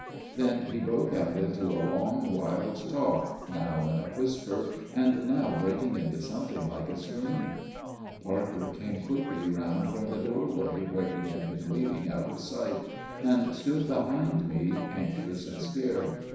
Then he broke out into a long wild talk, now in a whisper, and now breaking into something like a scream. Parker came quickly round from the doorway, where he had been waiting out of sight, and stood behind me, anxious and scared.